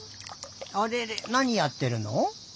あれれなにやってるの？